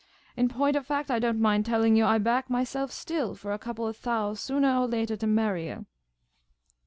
In point of fact, I don't mind telling yah, I back myself still for a couple of thou' soonah or latah to marry yah.